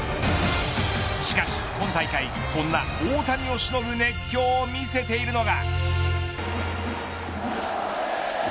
しかし、今大会そんな大谷翔平をしのぐ熱狂を見せているのが。